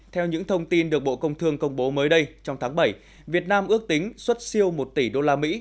theo những thông tin được bộ công thương công bố mới đây trong tháng bảy việt nam ước tính xuất siêu một tỷ đô la mỹ